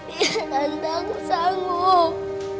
iya tante aku sanggup